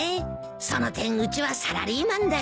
その点うちはサラリーマンだし。